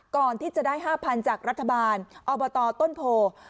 ก่อนที่จะได้๕๐๐๐จากรัฐบาลอบตต้นโพ